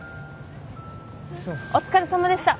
お疲れさまでした！